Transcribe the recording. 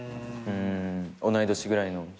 うん同い年ぐらいの？